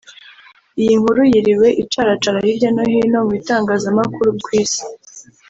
Iyi nkuru yiriwe icaracara hirya no hino mu bitangazamakuru byo ku isi